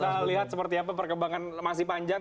kita lihat seperti apa perkembangan masih panjang